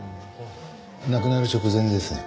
亡くなる直前ですね。